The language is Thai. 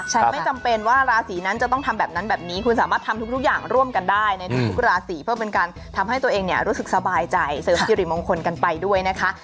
ไม่จำเป็นว่าราศีนั้นจะต้องทำแบบนั้นแบบนี้คุณสามารถทำทุกอย่างร่วมกันได้ในทุกราศีเพื่อเป็นการทำให้ตัวเองเนี่ยรู้สึกสบายใจเสริมสิริมงคลกันไปด้วยนะคะ